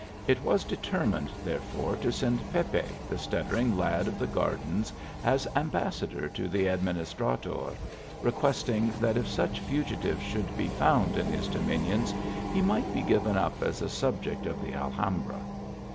It was deter mined, therefore, to send Pepe, the stuttering lad of the gardens, as ambassador to the Administrador, requesting that if such fugitive should be found in his dominions, he might be given up as a subject of the Alhambra.